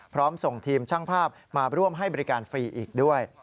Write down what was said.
พร้อมส่งทีมช่างภาพมาร่วมให้บริการฟรีอีกด้วย